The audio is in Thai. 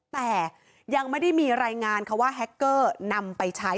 แต่ยังไม่ได้มีรายงานค่ะว่าแฮคเกอร์นำไปใช้